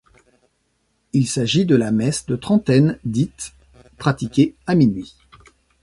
Il s'agit de la messe de trentaine, dite ', pratiquée à minuit.